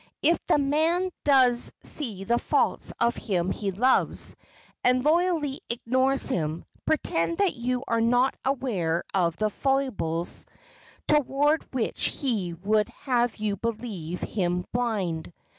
If the man does see the faults of him he loves, and loyally ignores them, pretend that you are not aware of the foibles toward which he would have you believe him blind.